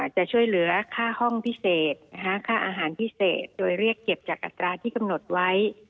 จะช่วยเหลือค่าห้องพิเศษค่าอาหารพิเศษโดยเรียกเก็บจากอัตราที่กำหนดไว้